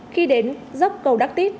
khi đến dốc cầu đắk tít